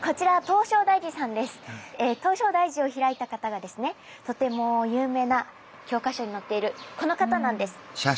唐招提寺を開いた方がですねとても有名な教科書に載っているこの方なんです。